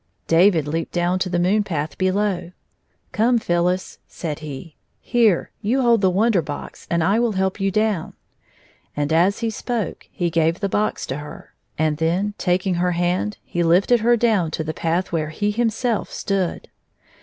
David leaped down to the moon path below. " Come, Phyllis," said he. " Here, you hold the Wonder Box, and I will help you down." And as he spoke he gave the box to her, and then i68 taking her hand, he lifted her down to the path where he himself stood.